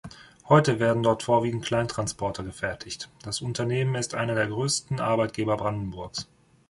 Heute werden dort vorwiegend Kleintransporter gefertigt, das Unternehmen ist einer der größten Arbeitgeber Brandenburgs.